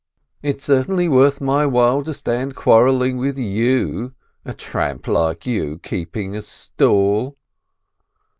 "It's certainly worth my while to stand quarrelling with you! A tramp like you keeping a stall